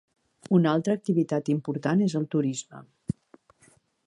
Una altra activitat important és el turisme.